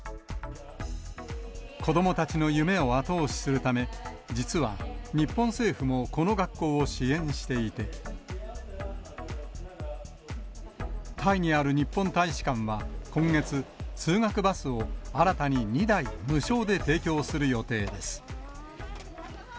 子どもたちの夢を後押しするため、実は日本政府もこの学校を支援していて、タイにある日本大使館は、今月、通学バスを新たに２台無償で提供する予定です。